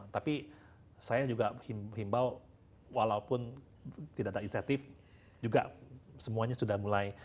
tapi saya juga himbau walaupun tidak ada insentif juga semuanya sudah mulai